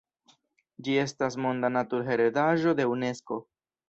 Ĝi estas Monda Naturheredaĵo de Unesko.